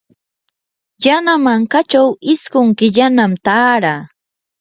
yanawankachaw isqun killanam taaraa.